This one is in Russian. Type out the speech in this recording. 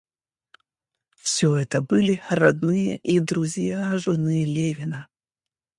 Всё это были родные и друзья жены Левина.